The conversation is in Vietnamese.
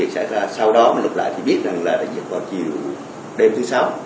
sau đó lục lại thì biết là vào chiều đêm thứ sáu